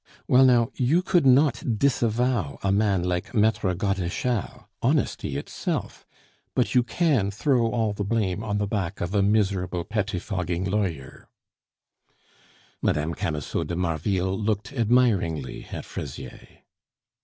Well, now, you could not disavow a man like Maitre Godeschal, honesty itself, but you can throw all the blame on the back of a miserable pettifogging lawyer " Mme. Camusot de Marville looked admiringly at Fraisier.